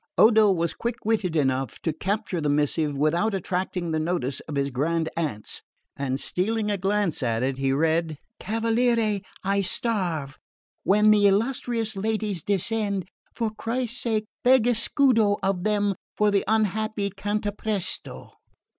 Odo was quick witted enough to capture this missive without attracting the notice of his grand aunts, and stealing a glance at it, he read "Cavaliere, I starve. When the illustrious ladies descend, for Christ's sake beg a scudo of them for the unhappy Cantapresto."